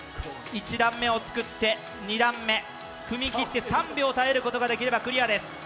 １段目を作って２段目組みきって３秒耐えることができればクリアです。